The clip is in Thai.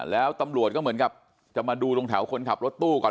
แล้วตำรวจก็เหมือนกับจะมาดูตรงแถวคนขับรถตู้ก่อน